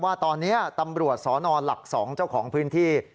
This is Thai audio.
ว่าตอนนี้ตำรวจสนหลัก๒เจ้าของพื้นที่